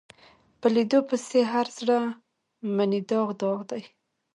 په لیدو پسې هر زړه منې داغ داغ دی